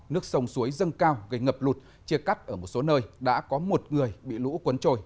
nước sông suối dâng cao gây ngập lụt chia cắt ở một số nơi đã có một người bị lũ cuốn trôi